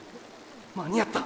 間に合った！